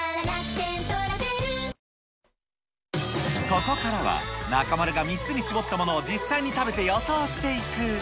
ここからは、中丸が３つに絞ったものを実際に食べて予想していく。